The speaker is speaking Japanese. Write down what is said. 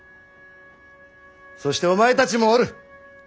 そしてお前たちもおる。